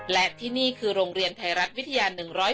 และที่นี่คือโรงเรียนไทยรัฐวิทยา๑๐๑